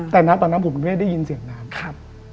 แต่ตอนนี้ผมก็ไม่ได้ยินเสียงน้ำ